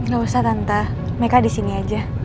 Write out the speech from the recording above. gak usah tante mereka di sini aja